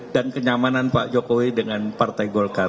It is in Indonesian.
dan kenyamanan pak jokowi dengan partai golkar